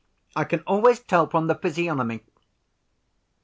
I can always tell from the physiognomy."